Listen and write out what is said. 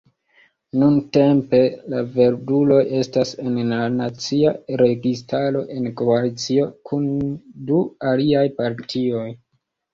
Nuntempe la Verduloj estas en la nacia registaro, en koalicio kun du aliaj partioj.